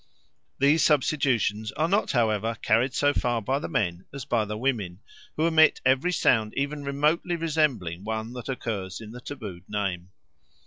These substitutions are not, however, carried so far by the men as by the women, who omit every sound even remotely resembling one that occurs in a tabooed name.